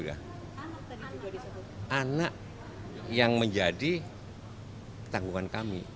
anak anak yang menjadi tanggungan kami